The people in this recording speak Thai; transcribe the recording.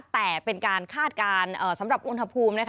แต่เป็นการคาดการณ์สำหรับอุณหภูมินะคะ